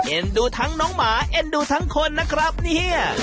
ดูทั้งน้องหมาเอ็นดูทั้งคนนะครับเนี่ย